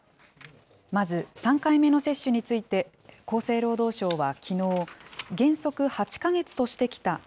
まず、３回目の接種について、厚生労働省はきのう、原則８か月としてきた